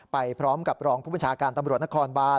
ไปพร้อมกับรองผู้บัญชาการตำรวจนครบาน